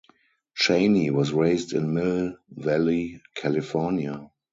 Chaney was raised in Mill Valley, California.